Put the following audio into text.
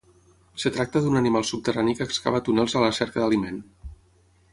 Es tracta d'un animal subterrani que excava túnels a la cerca d'aliment.